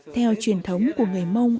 theo truyền thống của người mông